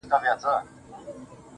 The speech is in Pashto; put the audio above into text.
اوس عجيبه جهان كي ژوند كومه,